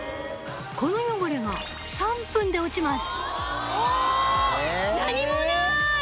この汚れが３分で落ちます